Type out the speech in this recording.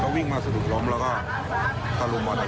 เขาวิ่งมาสะดุดล้มแล้วก็ตะลุมบอลกันมา